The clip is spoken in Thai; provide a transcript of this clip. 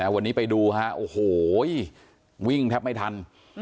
วันนี้ไปดูฮะโอ้โหวิ่งแทบไม่ทัน